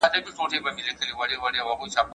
چې په پردو کارو کې څوک ګوتې وهينه